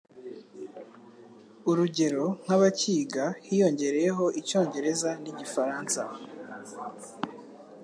urugero nk'abakiga hiyongereyeho Icyongereza n'Igifaransa